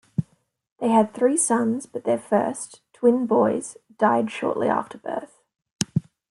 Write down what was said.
They had three sons but their first, twin boys, died shortly after birth.